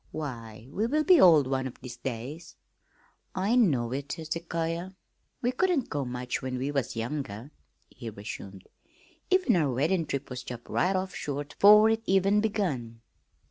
Why, we will be old one of these days!" "I know it, Hezekiah." "We couldn't go much when we was younger," he resumed. "Even our weddin' trip was chopped right off short 'fore it even begun."